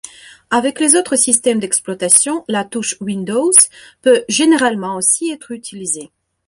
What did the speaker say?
Avec les autres systèmes d’exploitation, la touche Windows peut généralement aussi être utilisée.